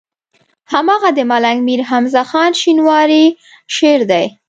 هماغه د ملنګ مير حمزه خان شينواري شعر دی.